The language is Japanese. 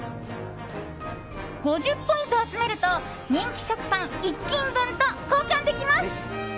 ５０ポイント集めると人気食パン１斤分と交換できます。